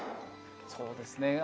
そうですね。